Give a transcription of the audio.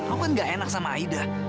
aku kan gak enak sama aida